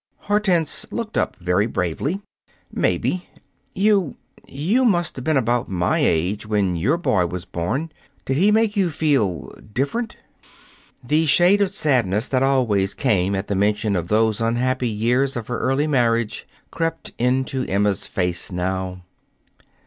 Hortense looked up very bravely. "Maybe. You you must have been about my age when your boy was born. Did he make you feel different?" The shade of sadness that always came at the mention of those unhappy years of her early marriage crept into Emma's face now.